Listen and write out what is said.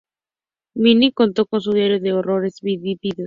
Minnie contó en su diario los horrores vividos.